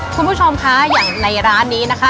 คุณผู้ชมคะอย่างในร้านนี้นะคะ